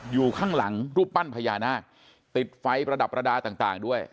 อยู่ข้างหลังรูปปั้นพญานาคติดไฟประดับประดาษต่างด้วย